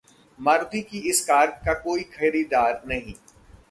मारुति की इस कार का कोई खरीदार नहीं